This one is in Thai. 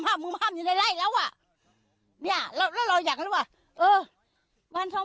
ห้ามห้ามอยู่ในไล่แล้วอ่ะเนี้ยเราเราอยากรู้อ่ะเออวันสอง